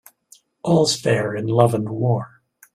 All's fair in love and war.